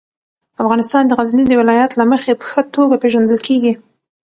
افغانستان د غزني د ولایت له مخې په ښه توګه پېژندل کېږي.